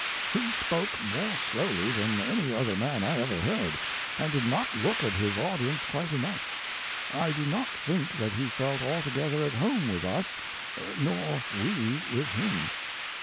He spoke more slowly than any other man I ever heard, and did not look at his audience quite enough. I do not think that he felt al together at home with us, nor we with him.